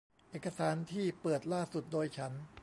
เอกสารที่เปิดล่าสุดโดยฉัน